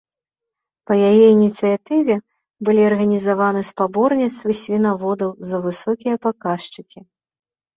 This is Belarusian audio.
Па яе ініцыятыве былі арганізаваны спаборніцтвы свінаводаў за высокія паказчыкі.